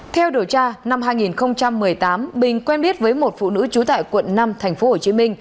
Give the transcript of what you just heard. theo điều tra năm hai nghìn một mươi tám bình quen biết với một phụ nữ trú tại quận năm tp hcm